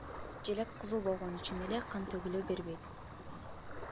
Желек кызыл болгон үчүн эле кан төгүлө бербейт.